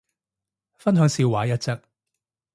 分享笑話一則